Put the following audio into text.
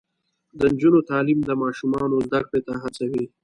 د نجونو تعلیم د ماشومانو زدکړې ته هڅوي.